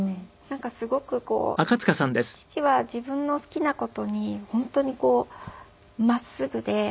なんかすごくこう父は自分の好きな事に本当に真っすぐで。